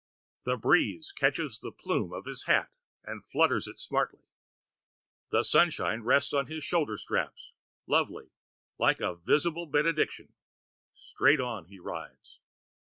The breeze catches the plume in his hat and flutters it smartly. The sunshine rests upon his shoulder straps, lovingly, like a visible benediction. Straight on he rides.